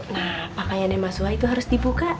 nah pakaiannya mas wah itu harus dibuka